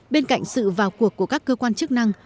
bên cạnh sự vào cuộc của các cơ quan chức năng